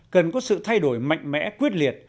cần có sự thay đổi mạnh mẽ quyết liệt